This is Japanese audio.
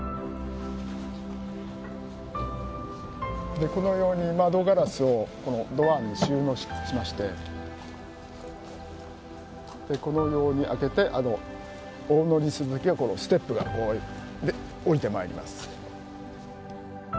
でこのように窓ガラスをこのドアに収納しましてでこのように開けてお乗り降りするときはステップが下りてまいります。